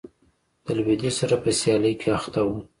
د لوېدیځ سره په سیالۍ کې اخته و.